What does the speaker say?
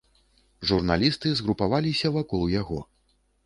Журналісты згрупаваліся вакол яго.